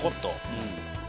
うん。